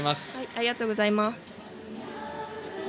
ありがとうございます。